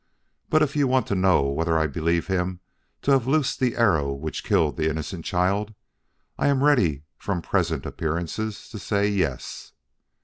But if you want to know whether I believe him to have loosed the arrow which killed that innocent child, I am ready from present appearances to say yes.